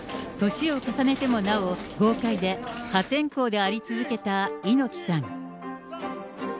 年を重ねてもなお、豪快で破天荒であり続けた猪木さん。